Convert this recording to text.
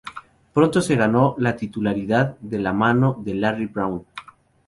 Pronto se ganó la titularidad de la mano de Larry Brown.